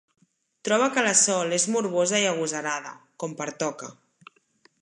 Troba que la Sol és morbosa i agosarada, com pertoca.